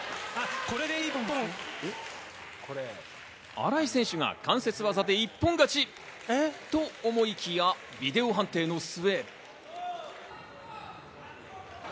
新井選手が関節技で一本勝ちと思いきや、ビデオ判定の末。